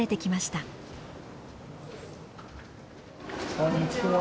こんにちは。